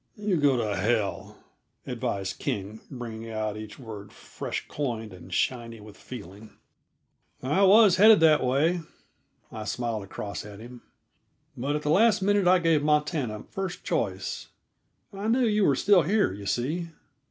"You go to hell," advised King, bringing out each word fresh coined and shiny with feeling. "I was headed that way," I smiled across at him, "but at the last minute I gave Montana first choice; I knew you were still here, you see."